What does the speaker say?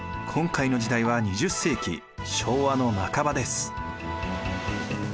今回の時代は２０世紀昭和の半ばです。